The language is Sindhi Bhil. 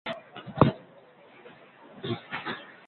موݩ اُڻيٚه سو پنجآنويٚ ميݩ پنجون ڪلآس پآس ڪيو هُݩدو۔